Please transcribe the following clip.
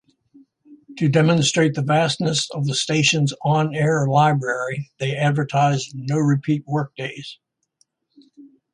To demonstrate the vastness of the station's on-air library, they advertised no-repeat workdays.